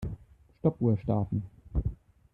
Stoppuhr starten.